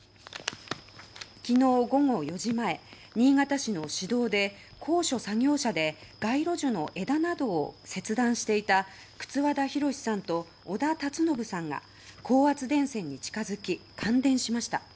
昨日午後４時前、新潟市の市道で高所作業車で街路樹の枝などを切断していた轡田浩さんと小田辰信さんが高圧電線に近づき感電しました。